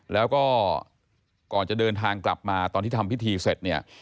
แล้วก็ก่อนจะเดินทางกลับมาตอนที่ทำพิธีเสร็จเนี่ย